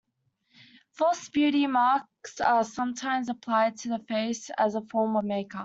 False beauty marks are sometimes applied to the face as a form of make-up.